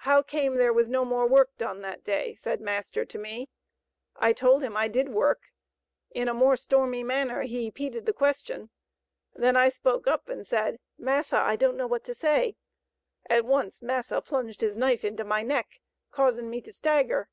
'How came there was no more work done that day?' said master to me. I told him I did work. In a more stormy manner he 'peated the question. I then spoke up and said: 'Massa, I don't know what to say.' At once massa plunged his knife into my neck causing me to stagger.